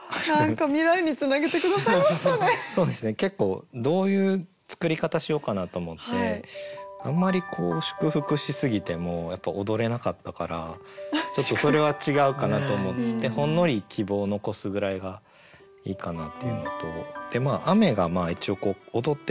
そうですね結構どういう作り方しようかなと思ってあんまり祝福しすぎてもやっぱ踊れなかったからちょっとそれは違うかなと思ってほんのり希望を残すぐらいがいいかなっていうのと雨が一応踊ってるわけですもんね。